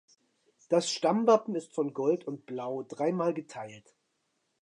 Das Stammwappen ist von Gold und Blau dreimal geteilt.